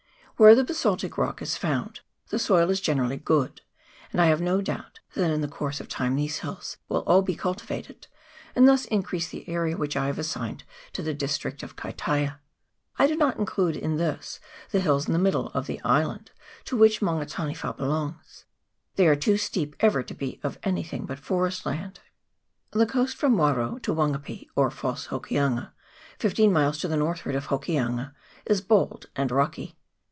Where the basaltic rock is found, the soil is gene rally good ; and I have no doubt that in the course of time these hills will all be cultivated, and thus increase the area which I have assigned to the dis trict of Kaitaia. I do not include in this the hills in the middle of the island, to which Maunga Ta niwa belongs : they are too steep ever to be any thing but forest land. The coast from Waro to Wangape, or False Hokianga, fifteen miles to the northward of Hokianga, is bold and rocky.